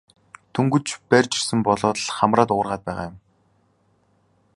Дөнгөж барьж ирсэн болоод л хамраа дуугаргаад байгаа юм.